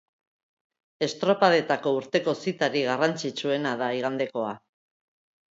Estropadetako urteko zitarik garrantzitsuena da igandekoa.